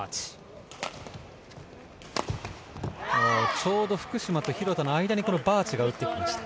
ちょうど福島と廣田の間にバーチが打ってきました。